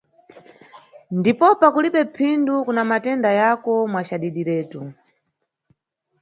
Ndipopa kulibe phindu kuna matenda yako mwa cadidiretu.